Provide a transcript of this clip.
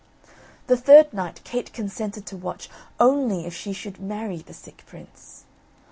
The third night Kate consented to watch, only if she should marry the sick prince.